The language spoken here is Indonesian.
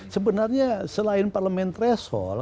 sebenarnya selain parlemen threshold